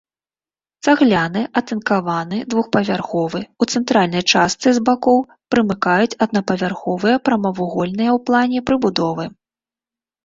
Цагляны, атынкаваны, двух-павярховы, у цэнтральнай частцы, з бакоў прымыкаюць аднапавярховыя прамавугольныя ў плане прыбудовы.